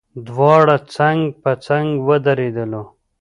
دواړه څنګ په څنګ ودرېدلو.